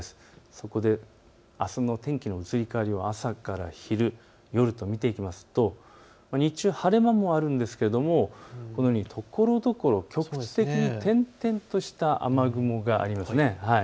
そこであすの天気の移り変わりを朝から昼、夜と見ていきますと日中、晴れ間もあるんですがこのようにところどころ、局地的に点々とした雨雲がありますね。